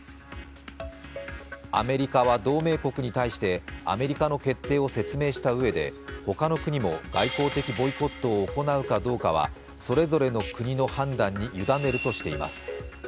アメリカは同盟国に対してアメリカの決定を説明したうえでほかの国も外交的ボイコットを行うかどうかは、それぞれの国の判断に委ねるとしています。